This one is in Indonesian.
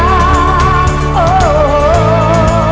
bila bukan kehadapnya